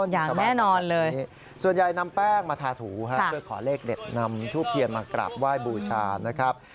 อย่างแน่นอนเลยส่วนใหญ่นำแป้งมาทาถูครับเพื่อขอเลขเด็ดนำทุกเพียรมากราบไหว้บูชานะครับ